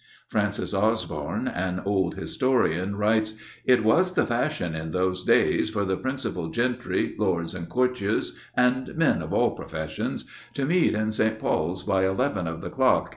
Francis Osborne, an old historian, writes: 'It was the fashion in those days ... for the principal Gentry, Lords and Courtiers, and men of all professions, to meet in S. Paul's by eleven of the clock